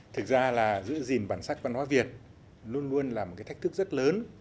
thực ra là giữ gìn bản sắc văn hóa việt luôn luôn là một cái thách thức rất lớn